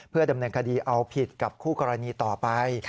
เพื่อดำเนินคดีเอาผิดกับคู่กรณีต่อไป